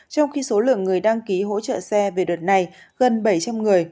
trong khi số lượng người đăng ký hỗ trợ xe về đợt này gần bảy trăm linh người